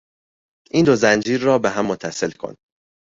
این دو زنجیر را بهم متصل کن!